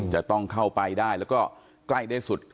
จะต้องเข้าไปได้แล้วก็ใกล้ได้สุด